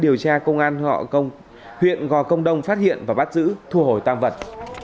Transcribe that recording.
đến ngày hai mươi hai tháng một mươi thì bị cơ quan cảnh sát điều tra công an huyện gò công đông phát hiện và bắt giữ thu hồi tam vật